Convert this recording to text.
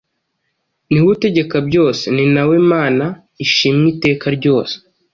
niwe utegeka byose, ni nawe Mana ishimwe iteka ryose. ”.